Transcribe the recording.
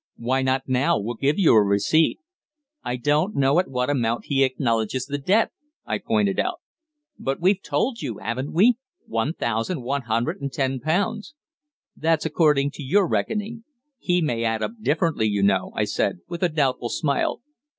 "Why not now? We'll give you a receipt." "I don't know at what amount he acknowledges the debt," I pointed out. "But we've told you, haven't we? One thousand one hundred and ten pounds." "That's according to your reckoning. He may add up differently, you know," I said, with a doubtful smile.